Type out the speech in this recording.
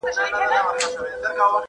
او د افغانستان د تاريخ يو ځلانده باب جوړوي